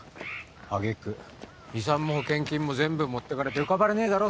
挙げ句遺産も保険金も全部持ってかれて浮かばれねえだろ？